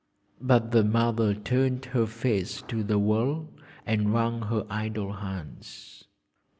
But the mother turned her face to the wall and wrung her idle hands.